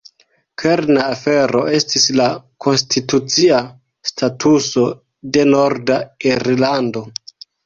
Kerna afero estis la konstitucia statuso de Norda Irlando.